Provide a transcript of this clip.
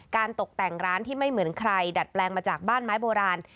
ตกแต่งร้านที่ไม่เหมือนใครดัดแปลงมาจากบ้านไม้โบราณ